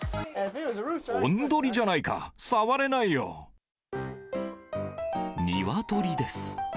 オンドリじゃないか、触れなニワトリです。